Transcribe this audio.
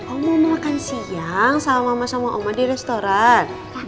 oma makan siang sama mama sama oma di restoran